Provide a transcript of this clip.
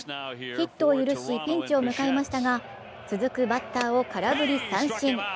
ヒットを許しピンチを迎えましたが続くバッターを空振り三振。